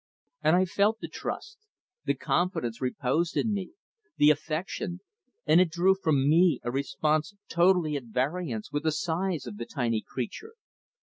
And I felt the trust, the confidence reposed in me, the affection, and it drew from me a response totally at variance with the size of the tiny creature.